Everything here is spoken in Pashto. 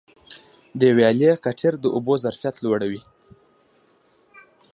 د ویالي کټېر د اوبو ظرفیت لوړوي.